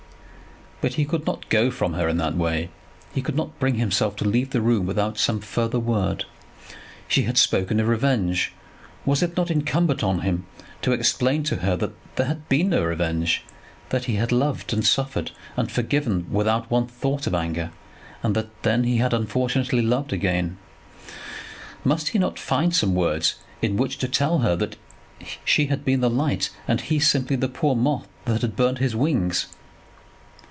But he could not go from her in that way. He could not bring himself to leave the room without some further word. She had spoken of revenge. Was it not incumbent on him to explain to her that there had been no revenge; that he had loved, and suffered, and forgiven without one thought of anger; and that then he had unfortunately loved again? Must he not find some words in which to tell her that she had been the light, and he simply the poor moth that had burned his wings?